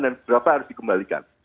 dan berapa harus dikembalikan